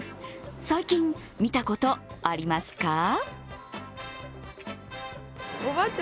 最近、見たことありますか？